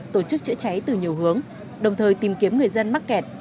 tổ chức chữa cháy từ nhiều hướng đồng thời tìm kiếm người dân mắc kẹt